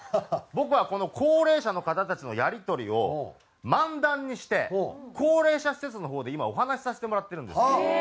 僕はこの高齢者の方たちのやり取りを漫談にして高齢者施設の方で今お話しさせてもらってるんですよ。